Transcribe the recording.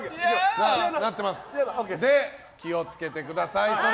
気を付けてください。